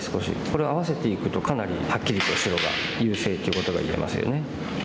これを合わせていくとかなりはっきりと白が優勢ということが言えますよね。